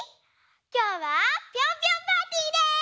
きょうはピョンピョンパーティーです！